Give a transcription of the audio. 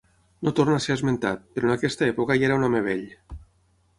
No torna a ser esmentat, però en aquesta època ja era un home vell.